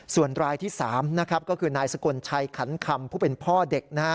ส่วนรายที่๓นะครับก็คือนายสกลชัยขันคำผู้เป็นพ่อเด็กนะฮะ